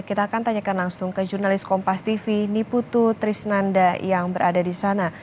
kita akan tanyakan langsung ke jurnalis kompas tv niputu trisnanda yang berada di sana